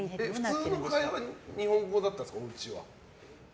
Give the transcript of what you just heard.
普通の会話は日本語だったんですか？